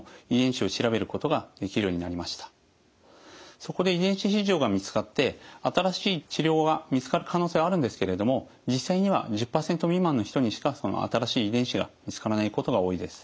そこで遺伝子異常が見つかって新しい治療が見つかる可能性はあるんですけれども実際には１０％未満の人にしか新しい遺伝子が見つからないことが多いです。